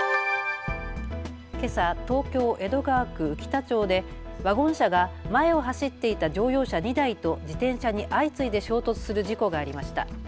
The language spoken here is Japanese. けさ、東京江戸川区宇喜田町でワゴン車が前を走っていた乗用車２台と自転車に相次いで衝突する事故がありました。